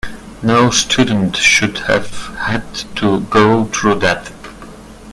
No student should have had to go through that.